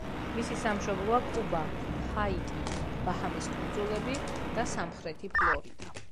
მისი სამშობლოა კუბა, ჰაიტი, ბაჰამის კუნძულები და სამხრეთი ფლორიდა.